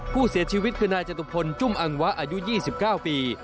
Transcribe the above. ผู้เสียชีวิตคือนายจตุพลจุ้มอังวะอายุ๒๙ปี